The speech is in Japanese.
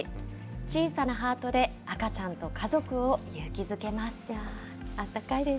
小さなハートで赤ちゃんと家族を勇気づけます。